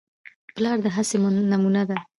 پلار د هڅې نمونه ده.